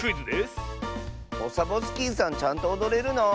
オサボスキーさんちゃんとおどれるの？